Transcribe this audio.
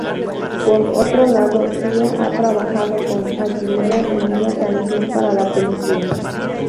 Por otro lado, Sia ha trabajado con Aguilera en una canción para la película.